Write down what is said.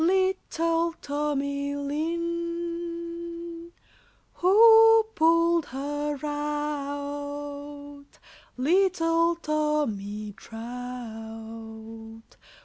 Little Tommy Lin. Who pulled her out? Little Tommy Trout.